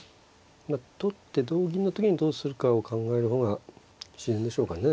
取って同銀の時にどうするかを考える方が自然でしょうかね。